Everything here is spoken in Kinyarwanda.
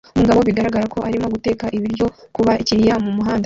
Umugabo bigaragara ko arimo guteka ibiryo kubakiriya mumuhanda